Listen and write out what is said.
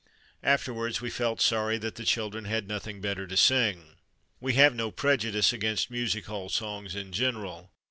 Afterwards we felt sorry that the children had nothing better to sing. We have no prejudice against music hall songs in general.